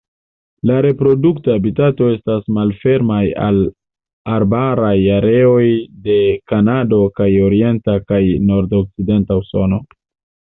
La reprodukta habitato estas malfermaj arbaraj areoj de Kanado kaj orienta kaj nordokcidenta Usono.